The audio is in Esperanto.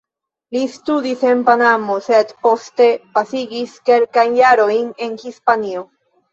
Li studis en Panamo, sed poste pasigis kelkajn jarojn en Hispanio.